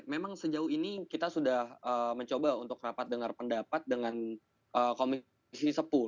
memang sejauh ini kita sudah mencoba untuk rapat dengar pendapat dengan komisi sepuluh